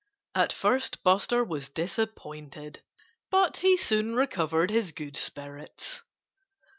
At first Buster was disappointed. But he soon recovered his good spirits.